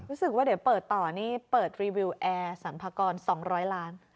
รู้สึกว่าเดี๋ยวเปิดต่อนี่เปิดรีวิวแอร์สรรพากร๒๐๐ล้าน